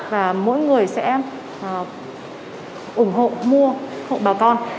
và mỗi người sẽ ủng hộ mua hộ bà con